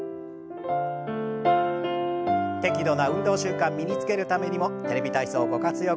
適度な運動習慣身につけるためにも「テレビ体操」ご活用ください。